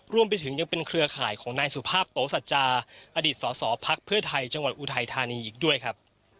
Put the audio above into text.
ร่วมไปถึงยังเป็นเครือข่ายของนายสุภาพโตศัจจาอดิษศสพไทยจังหวัดอุทัยธานีอีกด้วยครับ